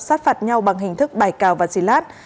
sát phạt nhau bằng hình thức bài cào và xì lát